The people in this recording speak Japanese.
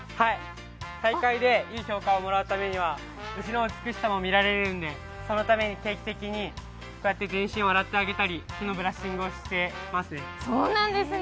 大会で優勝をもらうためには牛の美しさも見られるのでそのために定期的に、全身を洗ってあげたり毛のブラッシングをしています。